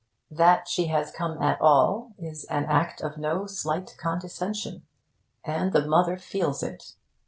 That she has come at all is an act of no slight condescension, and the mother feels it.